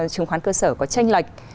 chứng khoán cơ sở có tranh lệch